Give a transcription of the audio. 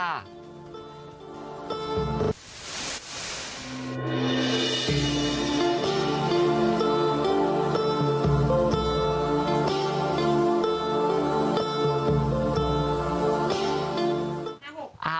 เอา